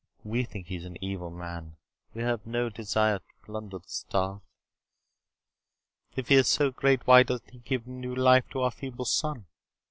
We think he is an evil man. We have no desire to plunder the stars. If he is so great, why doesn't he give new life to our feeble sun?